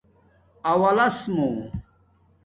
اولس مُو